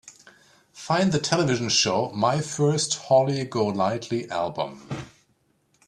Find the television show My First Holly Golightly Album